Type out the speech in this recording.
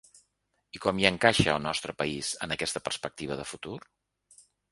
I com hi encaixa, el nostre país, en aquesta perspectiva de futur?